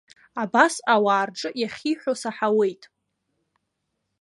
Абас ауаа рҿы иахьиҳәо саҳауеит.